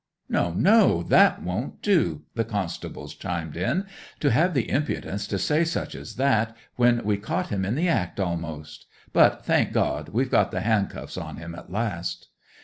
'"No, no! That won't do!" the constables chimed in. "To have the impudence to say such as that, when we caught him in the act almost! But, thank God, we've got the handcuffs on him at last."